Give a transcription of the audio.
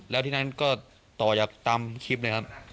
แล้วที่นั้นก็ต่อจากตามคลิปเลยครับ